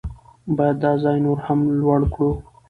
باید دا ځای نور هم لوړ کړو.